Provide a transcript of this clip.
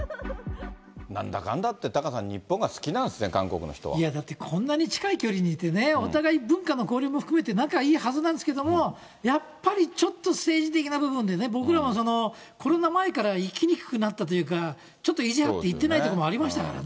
なんだかんだあってもタカさん、日本が好きなんですね、韓国いや、だって、こんなに近い距離にいてね、文化の交流も含めて仲いいはずなんですけれども、やっぱりちょっと、政治的な部分でね、僕らもコロナ前から行きにくくなったというか、ちょっと意地張って行ってないところもありましたからね。